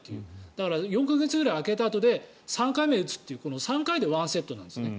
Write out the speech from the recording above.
だから４か月くらい空けたあとで３回目を打つという３回で１セットなんですね。